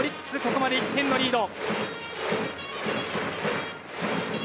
ここまで１点のリード。